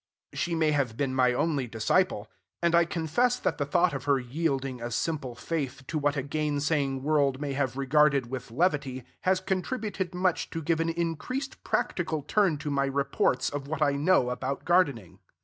She may have been my only disciple; and I confess that the thought of her yielding a simple faith to what a gainsaying world may have regarded with levity has contributed much to give an increased practical turn to my reports of what I know about gardening.